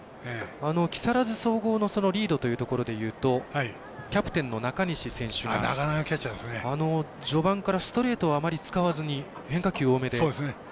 木更津総合のリードというところでいうとキャプテンの中西選手は序盤からストレートはあまり使わずに変化球多めで。